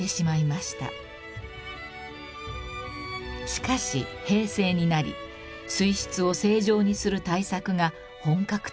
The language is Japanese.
［しかし平成になり水質を正常にする対策が本格的に始動］